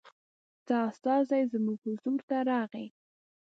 ستا استازی زموږ حضور ته راغی.